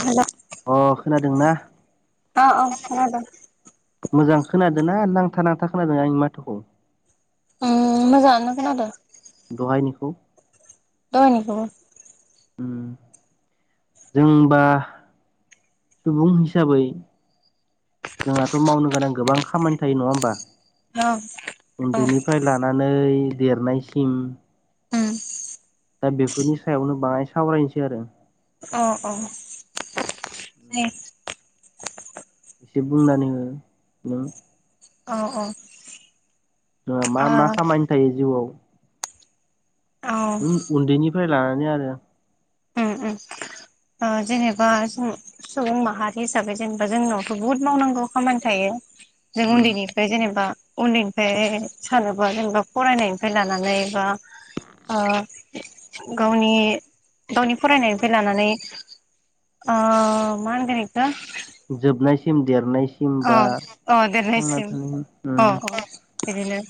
हेल अ खोनादोंना अ अ खोनादों मोजां? खोनादों ना नांथा नांथा खोनादों आंनि माथ'खौ। उम मोजांआनो खोनादों। दहायनिखौ दहायनिखौबो। उम जोंबा सुबुं हिसाबै जोंहाथ' मावनो गोनां गोबां खामानि थायो नङा होमबा? औ औ उन्दैनिफ्राय लानानै देरनायसिम उम दा बेफोरनि सायावनो बाङाय सावरायनोसै आरो। अ अ दे एसे बुंनानै हो नों औ औ ओ मा मा खामानि थायो जिउआव? औ उम उन्दैनिफ्राय लानानै आरो। उम ओ जेनेबा सुबुं माहारि हिसाबै जेनेबा जोंनावथ' बुहुत मावनांगौ खामानि थायो। जों उम उन्दैनिफ्राय जेनेबा उन्दैनिफ्राय सानोबा जेनेबा फरायनायनिफ्राय लानानै बा ओ गावनि गावनि फरायनायनिफ्राय लानानै ओ मा होनगोन बेखौ? जोबनायसिम देरनाय अ अ देरनायसिम अ उम बिदिनो।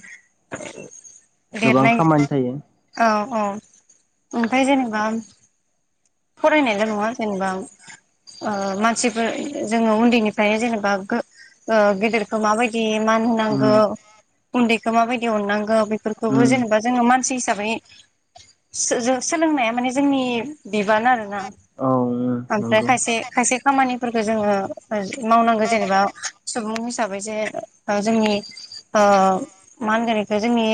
गोबां देरनाय खामानि थायो औ अ ओमफ्राय जेनेबा फरायनायल' नङा जेनेबा ओ मानसिफोर जोङो उन्दैनिफ्रायनो जेनेबा गो गेदेरखौ माबायदि मान उम होनांगौ उन्दैखौ माबायदि अननांगौ। बेफोरखौबो उम जेनेबा जोङो मानसि हिसाबै जो जों सोलोंनाया माने जोंनि बिबान आरोना औ उम ओमफ्राय नंगौ खायसे खायसे खामानिफोरखौ जोङो मावनांगौ जेनेबा सुबुं हिसाबै जे जोंनि ओ मा होनगोन इ जोंनि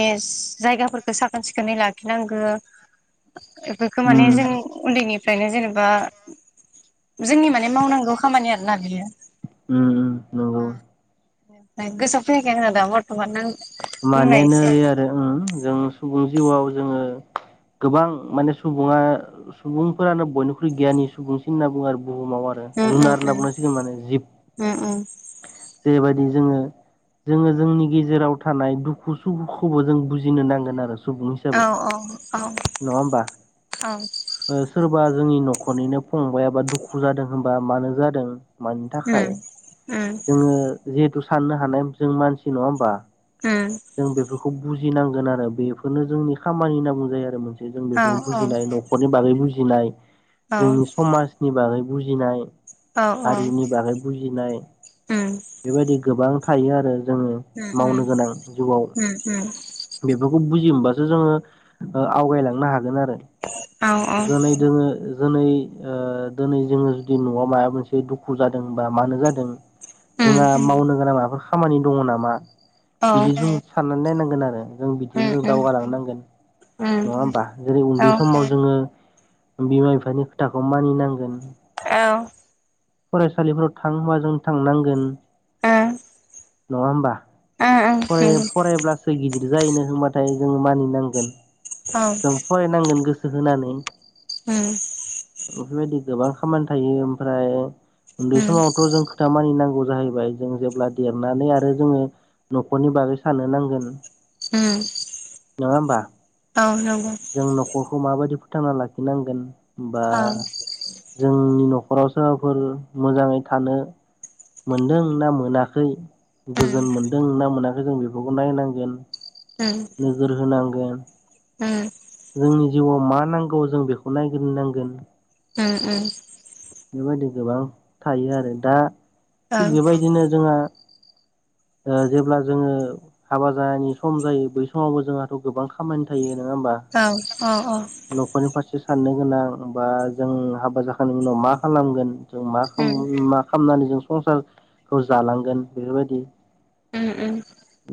जायगाफोरखओ साखोन सिखोनै लाखिनांगो। बेफोरखो माने उम जों उन्दैनिफ्रायनो जेनेबा जोंनि माने मावनांगौ खामानि आरोना बियो। उम उम नंगौ गोसोआव फैयाखै आंना दा बर्थमान बुंलाय मानोना एसे आरो जों सुबुं जिउआव जोङो गोबां माने सुबुङा सुबुंफोरानो बयनिख्रुइ गियानि सुबुंसिन होनना बुङो आरो बुहुमाव आरो उम उम जुनार होनना बुंनांसिगोन माने जिब। उम उम उम जेरैबायदि जोङो जोङो जोंनि गेजेराव थानाय दुखु सुखुखौबो जों बुजिनो नांगोन आरो सुबुं औ हिसाबै। औ औ नङा होमबा? औ औ सोरबा जोंनि न ख'रनिनो फंबायाबा दुखु जादों होनबा मानो जादों मानि थाखाय। उम उम जोङो जिहेथु साननो हानाय जों मानसि नङा होमबा? उम। खौ बुजिनांगोन आरो बेफोरनो जोंनि खामानि होनना बुंजायो आरो मोनसे जों औ बेखौ औ बुजिनाय न'खरनि बागै बुजिनाय औ जोंनि समाजनि बागै बुजिनाय औ हारिनि बागै बुजिनाय उम बेबायदि गोबां थायो आरो जोङो उम उम मावनो गोनां जिउआव। उम उम बेफोरखौ बुजियो मोनबासो जोङो ओ आवगायलांनो हागोन आरो। औ औ दिनै जोङो ओिनै ओ दोनै जोङो जुदि न'आव माबा मोनसे दुखु जादों बा मानो जादों उम जोंहा मावनो गोनां माबाफोर खामानि दङ नामा औ बिदि जों साननानै नायनांगोन आरो। जों बिदिनो उम जों उम दावगालांनांगोन उम ।नङा होमबा? जेरै औ उन्दै समाव जोङो बिमा बिफानि खोथाखौ मानिनांगोन। औ। फरायसालिफोराव थां होनबा जों थांनांगोन। ओं। नङा होमबा? फराय नंगौ फरायब्लासो गिदिर जायो होनबाथाय जोंङो मानिनांगोन। औ जों फरायनांगोन गोसो होनानै। उम। बेफोरबायदि गोबां खामानि थायो ओमफ्राय उन्दै उम समावथ' जों खोथा मानिनांगो जाहैबाय जों जेब्ला देरनानै आरो जोङो नख'रनि बागै साननो नांगोन। उम। नोङा होमबा? औ नंगौ। खौ माबायदि फोथांना लाखिनांगोन बा औ जोंनि नख' राव सोरबाफोर मोजाङै थानो मोनदों ना मोनाखै गोजोन उम मोनदों ना मोनाखै जों बेफोरखौ नायनांगोन उम नोजोर होनांगोन। उम। जोंनि जिउआव मा नांगौ जों बेखौ नायग्रोनांगोन। उम उम। बेबायदि गोबां थायो आर।ो दा थिग उम बेबायदिनो जोंहा ओ जेब्ला जोङो हाबा जानायनि सम जायो बै समावबो जोंहाथ' गोबां खामानि थायो। नोङा होमबा? औ औ नख'रनि फारसे साननो गोनां बा जों हाबा जाखांनायनि उनाव मा खालामगोन जों मा उम मा खालामनानै जों संसारखौ जालांगोन बेफोरबायदि। उम उम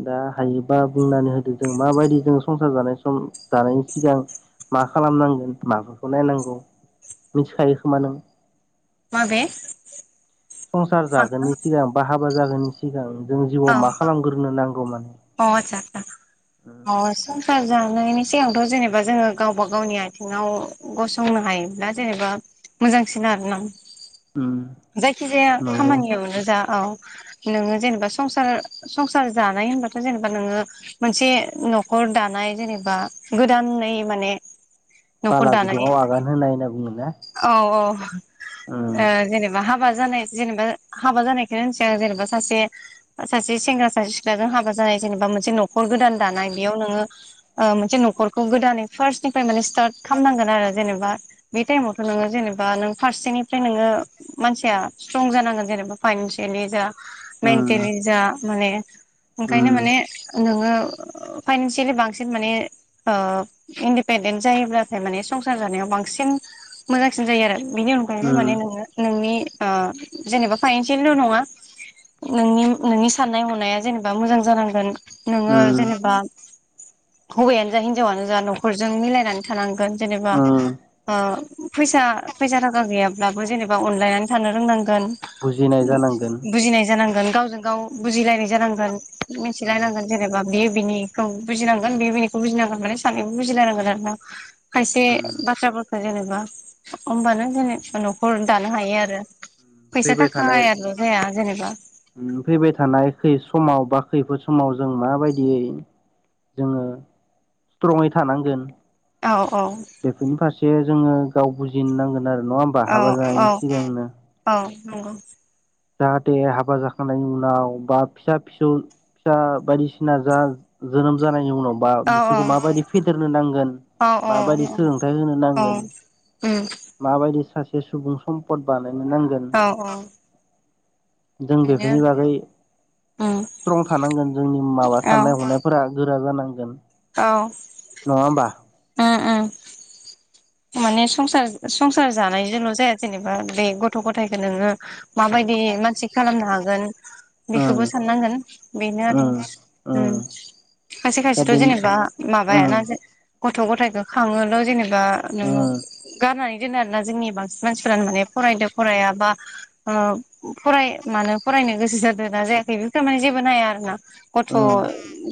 दा हायोबा बुंनानै होदो जों माबायदि जों संसार जानाय सम जानायनि सिगां मा खालामनांगोन माबाफोरखौ नायनांगौ मिथिखायो खोमा नों? माबे संसार माखौ जागोननि सिगां बा हा बा जागोननि सिगां जों जिउआव अ मा खालाम अ जता सथ ज [unintelligible] थांनायनि सिगांथ' जेनेबा जोङो गावबा गावनि आथिंआव गसंनो हायोब्ला जेनेबा मोजांसिन आर ना उम जायखिजाया नंगौ खामानियावनो जा औ। नोङो जेनेबा संसार संसार जानाय होनबा जेनेबा नोङो मोनसे न'खर दानाय जेनेबा गोदानै माने न'खर बाला दानाय गुदुङाव आगान होनाय होनना बुङोना औ औ। ओ‌ उम जेनेबा हाबा जानाय जेनेबा हाबा जानायखायनो जेनेबा सासे सासे सेंग्रा सासे सिख्लाजों हाबा जानाय जेनेबा मोनसे न'खर गोदान दानाय बेयाव नोङो मोनसे न'खरखौ गोदानै फार्स्टनिफ्राय माने स्टार्ट खालामनांगोन आरो जेनेबा बे टाइमावथ' नोङो जेनेबा नों फारसेनिफ्राय नोङो मानसिया स्ट्रांग जानांगोन जेनेबा फाइनेंशियल जा उम मेंटली जा माने ओंखायनो उम माने नोङो फाइनेंशियली बांसिन माने। औ इंडिपेंडेंट जायोब्लाथाय माने संसार जानायाव बांसिन मोजांसिन जायो आरो बेनि अनगायैबो उम माने नोङो नोंनि। जेनेबा फाइनेंशियलल नङा नोंनि नोंनि साननाय हनाया जेनेबा ओ मोजां जानांगोन नोङो उम जेनेबा। हौवायानो जा हिनजावानो जा न'खरजों मिलायनानै थानांगोन जेनेबा उम फैसा फैसा थाखा गैयाब्लाबो जेनेबा अनलायनानै थानो रोंनाग गोन बुजिनाय जानांगोन बुजिनाय जानांगोन गावजों गाव बुजिलायनाय जानांगोन। उम मिथिलायनांगोन जेनेबा बि। बिनिखौ बुजिनांगोन बियो बिनिखौ बुजिनांगोन माने सानैबो बुजिलायनांगोन आरो ना। खायसे उम बाथ्राफोरखो जेने। आ होमबानो जेने नखर दानो हायो आरो। फैसा फैबाय थानाय थाखायाल' जाया जेनेबा मो फैबाय थानाय खै समाव। बा खैफोद समाव जों माबायदियै जोङो। स्ट्रंगङै थानांगोन औ औ बेफोरनि फारसे जोङो गाव बुजिनोनांगोन आरो। नङा होम्बा औ हाबा औ जानायनि सिगांनो। औ नंगौ। जाहाथे हाबा जाखांनायनि उनाव बा फिसा-फिसौ। फिसा बायदिसिना जा जोनोम जानायनि उनाव। बा औ औ बिसोरखौ माबायदि फेदेरनो नांगोन औ औ माबायदि सोलोंथाइ होनो औ नांगोन। उम माबायदि सासे सुबुं सम्पद बानायनो नांगोन। औ औ जों बेनो बेफोरनि बागै उम स्ट्रंग थानांगोन जोंनि माबा औ साननाय हनायफोरा। गोरा जानांगोन नङा होमबा। ओम माने संसार संसार जानायजोंल' जाया। जेनेबा बे गथ' गथाइखौ नोङो माबायदि मानसि खालामनो हागोन। ओम बेखोबो साननांगोन बेनो आरो ओम ओम। खायसे दा खायसेथ' बेनि जेनेबा ओम माबायाना जे गथ' गथ' गथायखौ खाङोल' जेनेबा नोङो ओम गारनानै। बिदिनो आरोना जोंनि बांसिन मानसिफ्रानो माने फरायदो फराया बा ओ फराय मानो फराय। नायनो गोसो जादों ना जाया बेफोरखो माने जेबो नाया आरो ना। गथ' ओम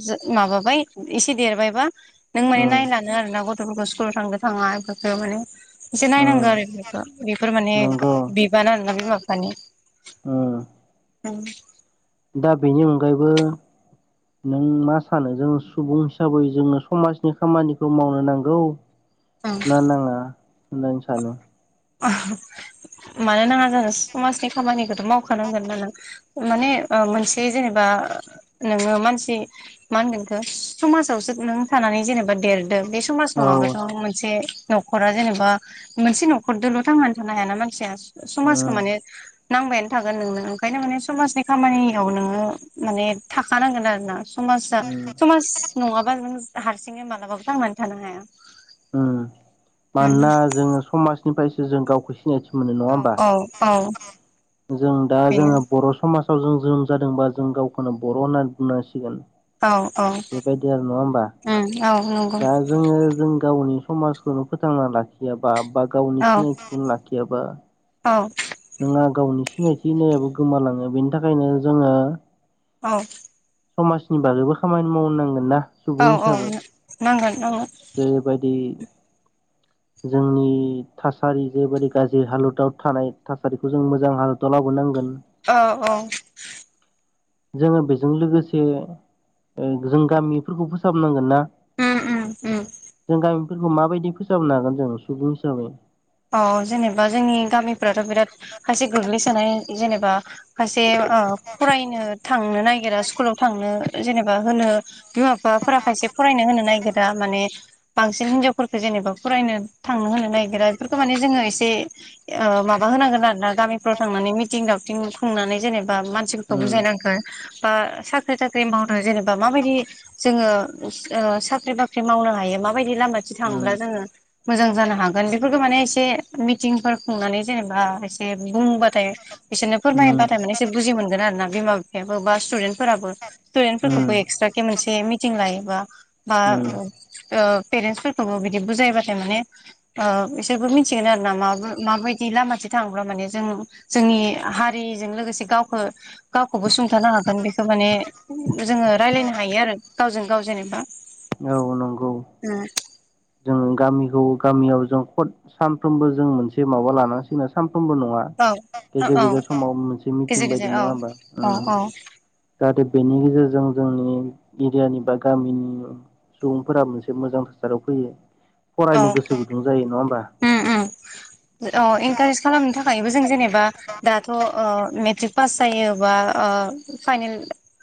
जो माबाबाय एसे देरबायबा। नों माने ओम नायलानो आरो ना गथ'फोरखौ स्कूलाव थांदो थाङा बेफोरखो माने। एसे ओ नायनांगौ आरो बेखौ बेफोर माने नंगौ बिबान आरो ना बिमा बिफानि। ओ औ। दा बिनि अनगायैबो नों मा सानो जों सुबुं हिसाबै जोङो समाजनि खामानिखौ मावनो नांगौ। ओं ना नाङा नों सानो। आह औमानो नाङा जों समाजनि खामानिखौथ' मावखानांगोनना नों। माने ओ मोनसे जेनेबा नोङो मानसि मा होनदों एखो समाजावसो नों थानानै जेनेबा देरदों। बे समाज औ नङाबाथ' मोनसे न'खरा जेनेबा मोनसे नख हरदोल' थांनानै थानो हायाना मानसिया [unintelligible] समाजखौ उम माने नांबायानो थागोन नोंनो ओंखायनो माने समाजनि खामानियाव नोङो माने थाखानांगोन आरो ना समाजा उम समाज नङाबा नों हारसिङै मालाबाबो थांनानै थानो हाया उम उम मानोना जोङो समाजनिफ्रायसो जों गावखो स सिनायथि मोनो नङा औ होमबा औ औ उम उम जों दा बेनो जोङो बर' समाज फावजों जों जादोंबा जों गावखोनो बर' होनना बुंनांसिगोन औ औ बेबायदि आरो नङा होमबा उम औ नंगौ। दा जोङो जों गावनि समाजखौनो फोथांना लाखियाबा बा गावनि औ सिनायथिखौनो लाखियाबा औ जोंहा गावनि सिनायथि होननायाबो गोमालाङो बेनि थाखायनो जोङो औ समाजनि बागैबो खामानि मावनांगोन ना औ सुबुं औ हिसाबै नांगोन नांगोन [unintelligible] जेरैबायदि जोंनि थासारि जेबायदि गाज्रि हालोदाव थानाय थासारिखौ जों मोजां हालोदाव लाबोनांगोन औ औ जोङो बेजों लोगोसे ओ जों गामिफोरखौ फोसाबनांगोन ना उम उम उम जों गामिफोरखौ माबायदि फोसाबनो हागोन जों सुबुं हिसाबै? औ जेनेबा जोंनि गामिफ्राथ' बिराद खायसे गोग्लैसोनाय जेनेबा खायसे ओ फरायनो थांनो नागिरा स्कुलाव थांनो जेनेबा होनो बिमा -बिफाफोरा खायसे फरायनो होनो नागिरा माने बांसिन हिनजावफोरखो जेनेबा फरायनो थांनो होनो नायगिरा बेफोरखो माने जोङो एसे [unintelligible] ओ माबा होनांगोन आरो ना गामिफ्राव थांनानै मिटिं दावथिं खुंनानै जेने बा मानसिफोरखौ उम बुजायनांगोन बा साख्रि थाख्रि मावदों जेनेबा माबायदि जोङो [unintelligible] ओ साख्रि बाख्रि मावनो हायो माबायद दि लामाथिं थाङोब्ला उम जोङो मोजां जानो हागोन बे फोरखो माने एसे मिटिंफोर खुंनानै जेनेबा एसे बुंबाथाय बिसोरनो उम फोरमायोबाथाय माने एसे बुजि मोनगोन आरो ना बिमा बिफायाबो बा स्टुदेन्टफोराबो स्टुदेन्ट फोरफोरखौबो उम एक्सट्राके मोनसे मिटिं लायोबा बा उम ओ पेरेन्टस फोरखौबो बिदि बुजायबाथाय माने ओ बिसोरबो मिनथिगोन आरो ना मा बो माबायदि लामाथिं थाङोब्ला माने जों जोंनि हारि जों लोगोसे गावखो गावखौबो सुंथानो हागोन बेखो माने जोङो रायलायनो हायो आरो गावजों गाव जेनेबा औ नंगौ उम जों गामिखौ गामियाव जों ख'द सानफ्रोमबो जों मोनसे माबा लानांसिनो साम फ्रोमबो नङा औ गेजेर औ गेजेर समाव मोनसे मिथिं गेजेर बायदि गेजेर औ नोङा होमबा औ उम औ जाहाथे बेनि गेजेरजों जोंनि एरियानि बा गामिनि सुबुंफोरा मोनसे मोजां थासारियाव फैयो औ फरायनो गोसो गुदुं जायो नङा होमबा? अ इनकारेज खालामनो थाखायबो जों जेनेबा दाथ' ओ मेट्रिक पास जायोबा ओ फाइनेल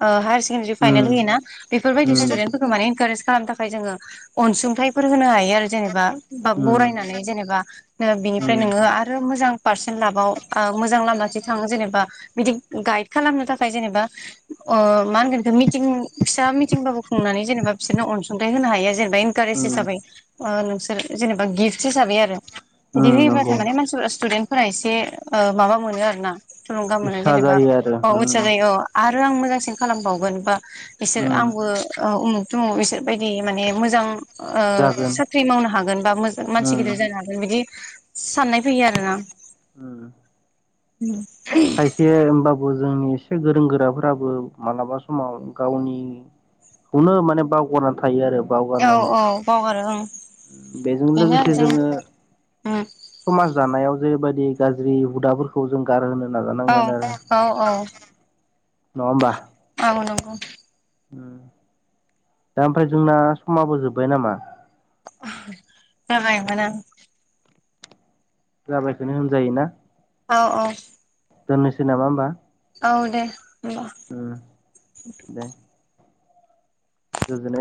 ओ हायारस [unintelligible] उम फाइनाल होयोना बेफोरबायदि उम स्टुदेन्टफोरखो माने इनकारेज खालामनो थाखाय जोङो अनसुंथाइफोर होनो हाय यो आरो जेनेबा बा उम बरायनानै जेनेबा नो बिनि फ्राय उम नोङो आरो मोजां पारसेन्ट लाबाव ओ मोजां लामाथिं थाङो जेनेबा बिदि गाइद खालामनो थाखाय जेनेबा ओ मा होनगोन बिखो मिटिं फिसा [unintelligible] मिथिंबाबो खुंनानै जेनेबा बिसोरनो अनसुंथाइ होनो हायो जे बाय एनकारेस सो उम हिसाबै ओ नोंसोर जेनेबा गिफ्ट हिसाबै आरो उम बिदि हो [unintelligible] नंगौ माने मानसिफोरा स्टुदेन्टफोरा एसे ओ माबा मोनो आरो ना थुलुंगा मोनो उत्साह जेनेबा जायो आरो औ उथिया उम जायो औ आर आरो आं मोजांसिन खालामबावगोन बा बिसोर उम आंबो ओ उमुग दङ बिसोर बायदि माने मोजां ओ जागोन साख्रि मावनो हागोन बा मोजां मानसि उम गिदिर उम जानो हागोन बिदि साननाय फैयो आरोना उम उम खायसे होमबा बो जोंनि एसे गोरों गोराफोराबो मालाबा समाव गावनि खौनो माने बावगारनानै थायो आरो। औ बावगारनानै औ बावगारो ओं बेजों बेनो आरो लोगोसे जों जोङो उम समाज दानायाव जेरैबायदि गाज्रि हुदाफोरखौ जों गारहोनो औ नाजानांगोन आरो औ औ [unintelligible] नङा होमबा? औ नंगौ। दा ओमफ्राय जोंना समाबो जोब्बाय नामा? जाबायमोन ओं। जाबायखोनो होनजायोना? औ औ दोननोसै नामा होनोमबा? औ दे। होमबा उम दे। गोजोननाय